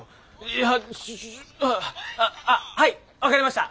いやああはい分かりました。